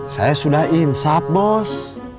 saya sudah insap bos